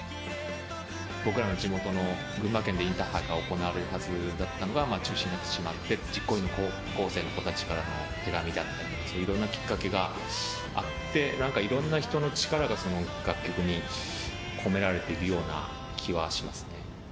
僕らの地元の群馬県でインターハイが行われるはずだったのが中止になってしまって実行委員の高校生の子たちから手紙だったりそういうきっかけがあっていろんな人の力が楽曲に込められているような気はします。